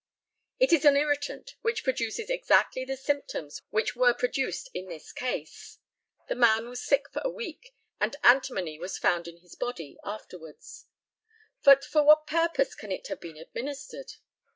It is an irritant, which produces exactly the symptoms which were produced in this case. The man was sick for a week, and antimony was found in his body afterwards. For what purpose can it have been administered?